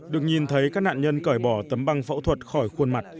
được nhìn thấy các nạn nhân cởi bỏ tấm băng phẫu thuật khỏi khuôn mặt